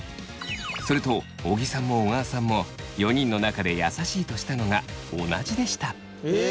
すると尾木さんも小川さんも４人の中で優しいとしたのが同じでした。